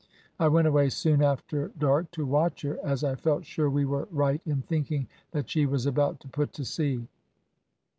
I went away soon after dark to watch her, as I felt sure we were right in thinking that she was about to put to sea."